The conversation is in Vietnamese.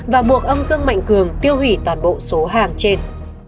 và buộc ông dương mạnh cường tiêu hủy toàn bộ số hàng trên